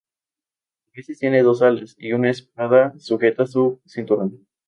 A veces tiene dos alas y una espada sujeta a su cinturón.